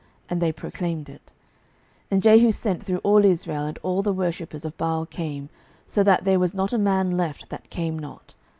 And they proclaimed it. 12:010:021 And Jehu sent through all Israel: and all the worshippers of Baal came, so that there was not a man left that came not.